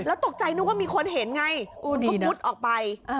แล้วตกใจนึกว่ามีคนเห็นไงมันก็มุดออกไป